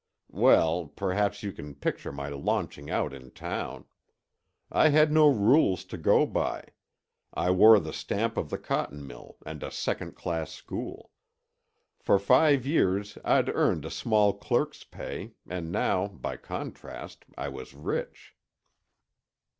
Well, perhaps you can picture my launching out in town. I had no rules to go by; I wore the stamp of the cotton mill and a second class school. For five years I'd earned a small clerk's pay, and now, by contrast, I was rich."